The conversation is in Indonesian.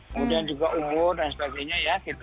kemudian juga umur dan sebagainya ya